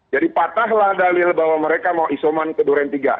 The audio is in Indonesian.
jadi patahlah dalil bahwa mereka mau isoman ke duren tiga